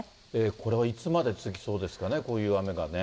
これはいつまで続きそうですかね、こういう雨がね。